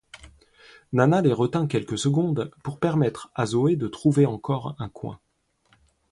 Nana les retint quelques secondes, pour permettre à Zoé de trouver encore un coin.